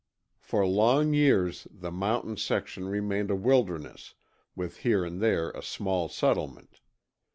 For long years the mountain section remained a wilderness, with here and there a small settlement.